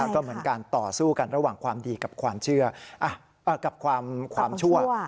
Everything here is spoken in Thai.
ก็เหมือนการต่อสู้กันระหว่างความดีกับความชั่ว